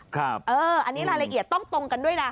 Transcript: อันนี้รายละเอียดต้องตรงกันด้วยนะ